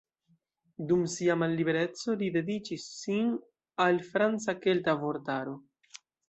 Dum sia mallibereco, li dediĉis sin al franca-kelta vortaro.